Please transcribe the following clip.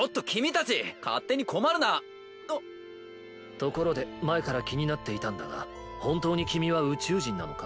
ところで前から気になっていたんだが本当に君は宇宙人なのか？